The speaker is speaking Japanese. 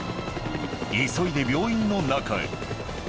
急いで病院の中へ。